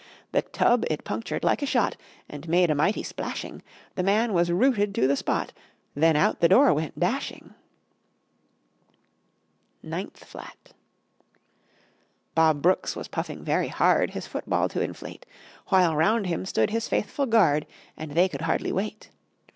The tub it punctured like a shot And made a mighty splashing. The man was rooted to the spot; Then out the door went dashing. [Illustration: EIGHTH FLAT] NINTH FLAT Bob Brooks was puffing very hard His football to inflate, While round him stood his faithful guard, And they could hardly wait.